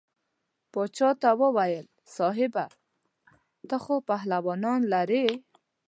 باچا ته وویل صاحبه ته خو پهلوانان لرې.